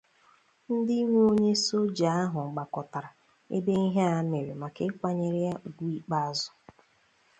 ndị nwe onye soja ahụ gbakọtara ebe ihe a mere maka ịkwanyere ya ugwu ịkpazụ.